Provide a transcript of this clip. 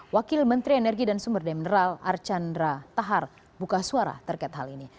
wakil menteri energi dan sumber demineral archandra tahar buka suara terkait hal ini